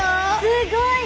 すごい。